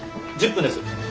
１０分です。